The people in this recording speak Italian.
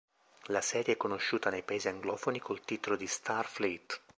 La serie è conosciuta nei paesi anglofoni col titolo di "Star Fleet".